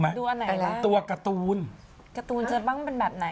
เวย์จะออกแล้วยังฮะฟรี